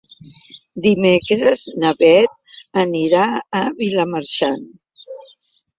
Dimecres na Beth anirà a Vilamarxant.